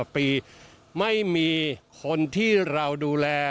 ปีไม่มีคนที่เราดูแล